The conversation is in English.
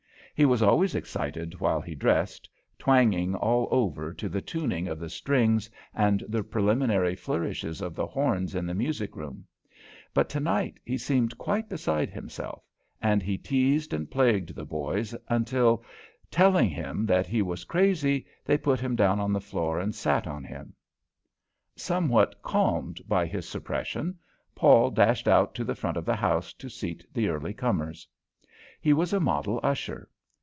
He was always excited while he dressed, twanging all over to the tuning of the strings and the preliminary flourishes of the horns in the music room; but tonight he seemed quite beside himself, and he teased and plagued the boys until, telling him that he was crazy, they put him down on the floor and sat on him. Somewhat calmed by his suppression, Paul dashed out to the front of the house to seat the early comers. He was a model usher.